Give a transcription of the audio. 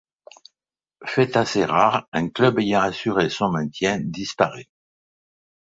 Fait assez rare, un club ayant assuré son maintien disparaît.